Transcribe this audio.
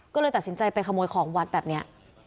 ก็เลยตัดสินใจไปขโมยของวัดแบบนี้